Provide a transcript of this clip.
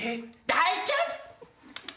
大丈夫！